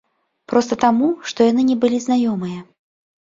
Проста таму, што яны не былі знаёмыя.